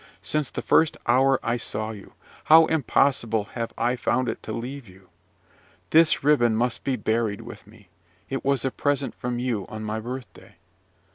Since the first hour I saw you, how impossible have I found it to leave you. This ribbon must be buried with me: it was a present from you on my birthday.